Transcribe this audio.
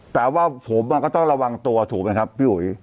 แต่ว่าผมก็ต้องระวังตัวถูกไหมครับพี่อุ๋ย